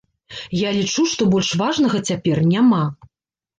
Я лічу, што больш важнага цяпер няма.